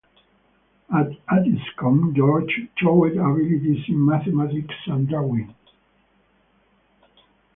At Addiscombe George showed abilities in mathematics and drawing.